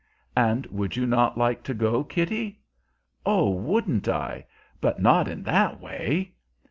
"And would you not like to go, Kitty?" "Ah, wouldn't I! But not in that way."